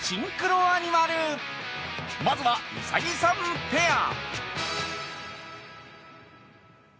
［まずはウサギさんペア］